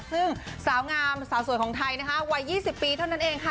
ซึ่งสาวงามสาวสวยของไทยนะคะวัย๒๐ปีเท่านั้นเองค่ะ